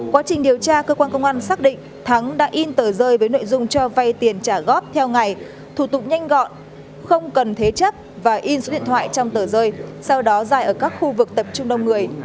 quá trình điều tra cơ quan công an xác định thắng đã in tờ rơi với nội dung cho vay tiền trả góp theo ngày thủ tục nhanh gọn không cần thế chấp và in số điện thoại trong tờ rơi sau đó giải ở các khu vực tập trung đông người